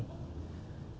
semua gelar ada di sini